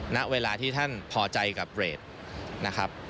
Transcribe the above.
ณเวลาที่ท่านพอใจกับเวลา